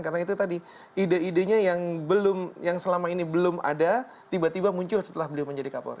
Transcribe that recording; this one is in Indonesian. karena itu tadi ide idenya yang selama ini belum ada tiba tiba muncul setelah beliau menjadi kampung